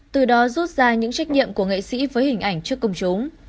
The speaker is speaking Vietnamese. từ đó rút ra những trách nhiệm của nghệ sĩ với hình ảnh trước công chúng